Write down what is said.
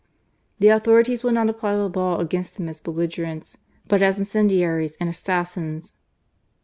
The authorities will not apply the law against them as belligerents, but as incendiaries and assassins."